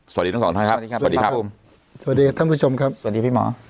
สวัสดีทั้งสองท่านครับสวัสดีครับสวัสดีครับผมสวัสดีครับท่านผู้ชมครับสวัสดีพี่หมอ